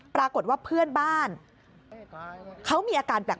ปรากฏว่าเพื่อนบ้านเขามีอาการแปลก